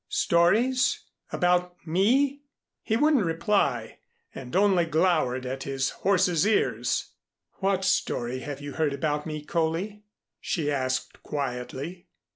"Stories about me?" He wouldn't reply, and only glowered at his horse's ears. "What story have you heard about me, Coley?" she asked quietly.